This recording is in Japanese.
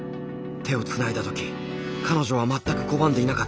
手をつないだ時彼女は全く拒んでいなかった。